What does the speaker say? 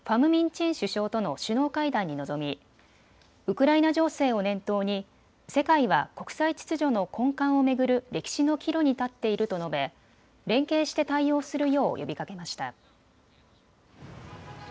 チン首相との首脳会談に臨みウクライナ情勢を念頭に世界は国際秩序の根幹を巡る歴史の岐路に立っていると述べ連携して対応するよう呼びかけました。